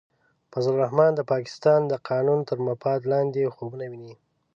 فضل الرحمن د پاکستان د قانون تر مفاد لاندې خوبونه ویني.